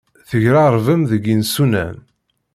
Tegrarbem deg yisunan.